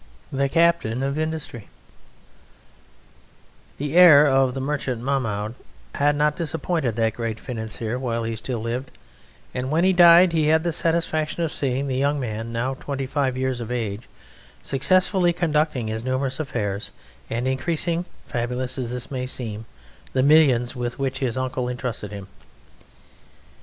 The Captain of Industry The heir of the merchant Mahmoud had not disappointed that great financier while he still lived, and when he died he had the satisfaction of seeing the young man, now twenty five years of age, successfully conducting his numerous affairs, and increasing (fabulous as this may seem) the millions with which his uncle entrusted him.